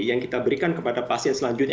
yang kita berikan kepada pasien selanjutnya